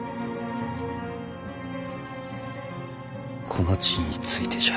この地についてじゃ。